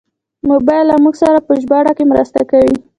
موبایل له موږ سره په ژباړه کې مرسته کوي.